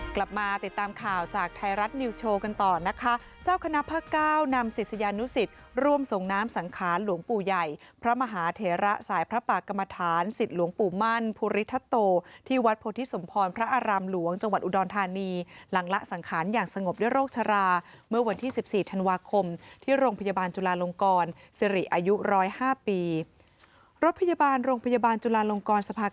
กลับมาติดตามข่าวจากไทยรัฐนิวส์โชว์กันต่อนะคะเจ้าคณะพระเก้านำสิทธิ์สยานุสิทธิ์ร่วมส่งน้ำสังขารหลวงปู่ใหญ่พระมหาเทระสายพระปากรรมฐานสิทธิ์หลวงปู่มั่นภูริทัตโตที่วัดโพธิสมพรพระอารามหลวงจังหวัดอุดรธานีหลังละสังขารอย่างสงบด้วยโรคชราเมื่อวันที่๑๔ธันวาค